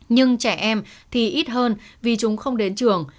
nhưng trẻ em thì ít hơn vì chúng không đến trường